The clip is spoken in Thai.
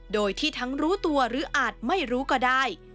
โดยที่ทั้งรู้ตัวหรืออาจไม่รู้ก็ได้